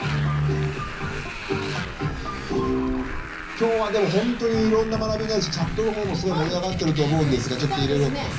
今日はでもほんとにいろんな学びになるしチャットの方もすごい盛り上がってると思うんですけどちょっといろいろ。